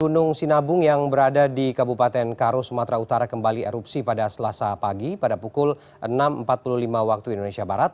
gunung sinabung yang berada di kabupaten karo sumatera utara kembali erupsi pada selasa pagi pada pukul enam empat puluh lima waktu indonesia barat